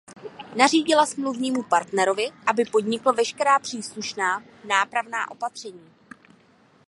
Nařídila smluvnímu partnerovi, aby podnikl veškerá příslušná nápravná opatření.